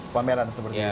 pameran seperti itu ya